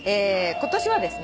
今年はですね。